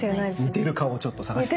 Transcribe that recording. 似てる顔をちょっと探して。